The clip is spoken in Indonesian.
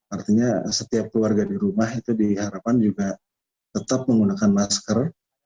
artinya setiap keluarga di rumah itu diharapkan juga tetap menggunakan masker